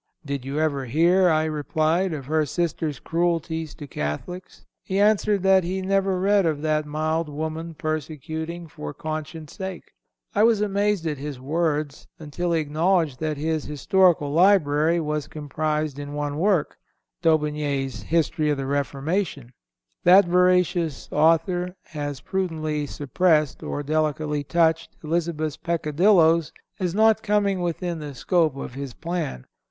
Did you ever hear, I replied, of her sister's cruelties to Catholics? He answered that he never read of that mild woman persecuting for conscience' sake. I was amazed at his words, until he acknowledged that his historical library was comprised in one work—D' Aubigné's History of the Reformation. That veracious author has prudently suppressed, or delicately touched, Elizabeth's peccadilloes as not coming within the scope of his plan.